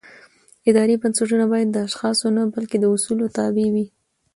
اداري بنسټونه باید د اشخاصو نه بلکې د اصولو تابع وي